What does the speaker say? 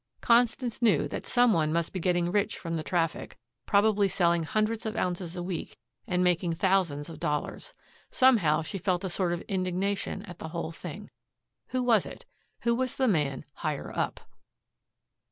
Constance knew that some one must be getting rich from the traffic, probably selling hundreds of ounces a week and making thousands of dollars. Somehow she felt a sort of indignation at the whole thing. Who was it? Who was the man higher up?